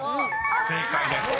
［正解です］